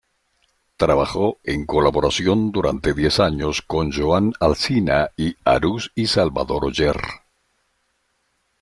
Trabajó en colaboración durante diez años con Joan Alsina i Arús y Salvador Oller.